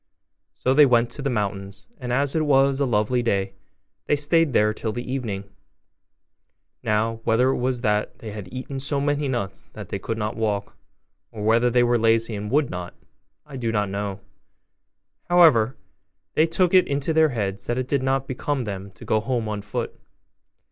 So they went to the mountains; and as it was a lovely day, they stayed there till the evening. Now, whether it was that they had eaten so many nuts that they could not walk, or whether they were lazy and would not, I do not know: however, they took it into their heads that it did not become them to go home on foot.